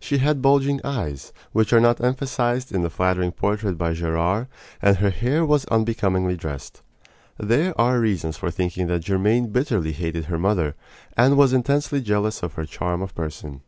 She had bulging eyes which are not emphasized in the flattering portrait by Gerard and her hair was unbecomingly dressed. There are reasons for thinking that Germaine bitterly hated her mother, and was intensely jealous of her charm of person.